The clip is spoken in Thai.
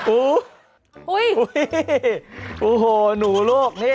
อุ๊ยอุ๊ยโอ้โฮหนูโลก